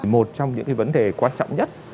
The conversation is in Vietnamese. một trong những vấn đề quan trọng nhất